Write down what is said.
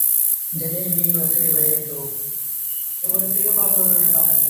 جڏهيݩ ميݩهن وسي دو۔